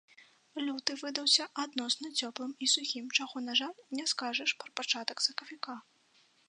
Люты выдаўся адносна цёплым і сухім, чаго, на жаль, не скажаш пра пачатак сакавіка.